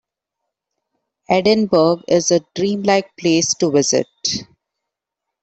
Edinburgh is a dream-like place to visit.